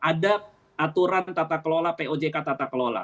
ada aturan tata kelola pojk tata kelola